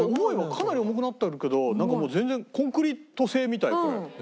かなり重くなってるけどなんかもう全然コンクリート製みたいこれ。